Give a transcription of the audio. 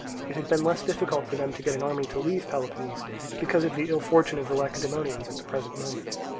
It had been less difficult for them to get an army to leave Peloponnese, because of the ill fortune of the Lacedaemonians at the present moment.